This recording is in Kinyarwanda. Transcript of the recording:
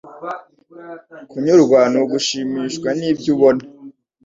Kunyurwa ni ugushimishwa n'ibyo ubona,